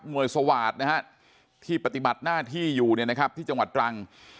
หน่วยสวาสนะฮะที่ปฏิบัติหน้าที่อยู่นะครับที่จังหวัดตรัง